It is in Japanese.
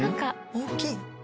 大きい？